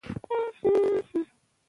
ژوند لنډ بايد هيچا خبرو پسی ونه ګرځو